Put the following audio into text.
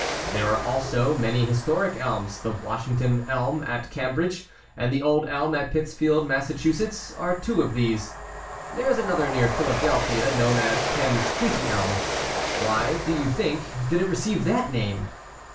There are also many historic elms. The Wash ington Elm at Cambridge, and the old elm at Pittsfield, Massachusetts, are two of these. There is another near Philadelphia, known as " Penn's Treaty Elm." Why, do you think, did it receive that name